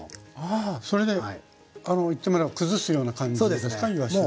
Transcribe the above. あそれであの言ってみれば崩すような感じですかいわしの。